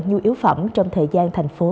nhu yếu phẩm trong thời gian thành phố